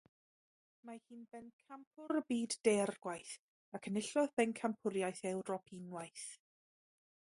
Mae hi'n bencampwr y byd deirgwaith, ac enillodd bencampwriaeth Ewrop unwaith.